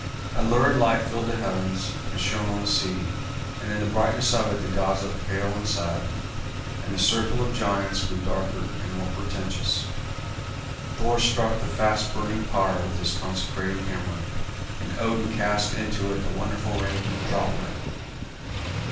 A lurid light filled the heavens and shone on the sea, and in the brightness of it the gods looked pale and sad, and the circle of giants grew darker and more portentous. Thor struck the fast burning pyre with his consecrating hammer, and Odin cast into it the wonderful ring Draupner.